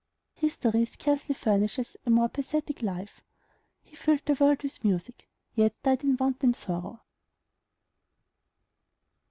History scarcely furnishes a more pathetic life. He filled the world with music, yet died in want and sorrow.